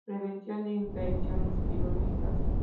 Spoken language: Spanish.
Prevención de infecciones quirúrgicas.